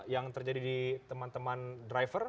yang terjadi di teman teman driver